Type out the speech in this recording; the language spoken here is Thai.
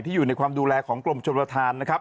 อยู่ในความดูแลของกรมชนประธานนะครับ